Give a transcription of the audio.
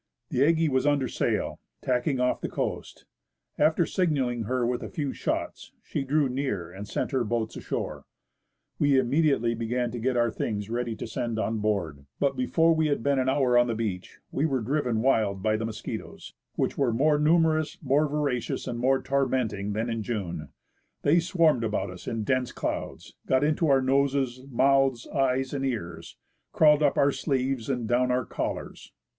The Aggie was under sail, tacking off the coast. After sig nalling her with a few shots, she drew near and sent her boats ashore. We immediately began to get our things ready to send on board. But, before we had been an hour on the beach, we were driven wild by the mosquitoes, which were more numerous, more voracious, and more tormenting than in June. They swarmed about us in dense clouds, got into our noses, mouths, eyes, and ears, crawled up our sleeves and down our collars.